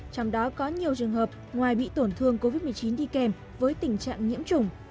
trong đó có nhiều trường hợp ngoài bị tổn thương covid một mươi chín đi kèm với tình trạng nhiễm chủng